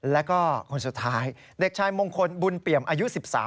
แล้วก็คนสุดท้ายเด็กชายมงคลบุญเปี่ยมอายุ๑๓